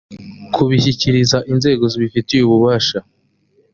kubishyikiriza inzego zibifitiye ububasha